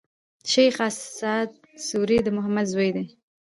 شېخ اسعد سوري د محمد زوی دﺉ.